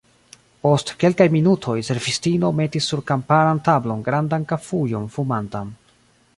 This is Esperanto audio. Post kelkaj minutoj, servistino metis sur kamparan tablon grandan kafujon fumantan.